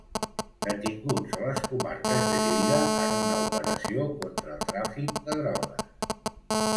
Detinguts a les comarques de Lleida en una operació contra el tràfic de drogues.